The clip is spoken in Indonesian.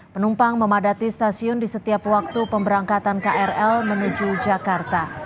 penumpang memadati stasiun di setiap waktu pemberangkatan krl menuju jakarta